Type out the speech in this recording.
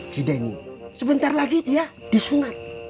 cih hideng sebentar lagi ya di sunat